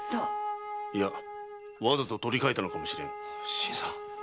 いや。わざと取り替えたのかもしれん。